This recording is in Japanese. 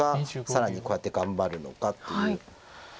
更にこうやって頑張るのかっていう。